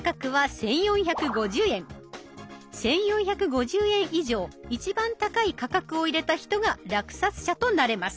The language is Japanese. １，４５０円以上一番高い価格を入れた人が落札者となれます。